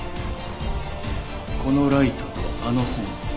このライトとあの本。